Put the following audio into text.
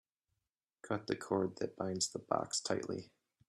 Cut the cord that binds the box tightly.